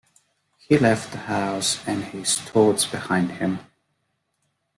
He left the house and his thoughts behind him.